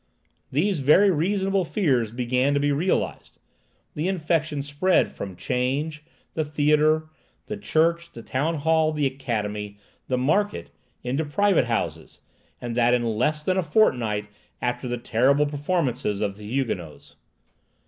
These very reasonable fears began to be realized. The infection spread from 'change, the theatre, the church, the town hall, the academy, the market, into private houses, and that in less than a fortnight after the terrible performance of the "Huguenots."